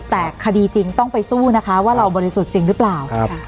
แต่คดีจริงต้องไปสู้นะคะว่าเราบริสุทธิ์จริงหรือเปล่า